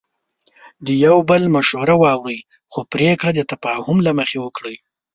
د یو بل مشوره واورئ، خو پریکړه د تفاهم له مخې وکړئ.